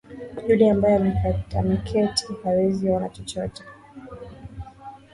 Yule ambaye ameketi hawezi ona chochote.